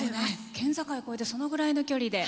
県境を越えてそのぐらいの距離で。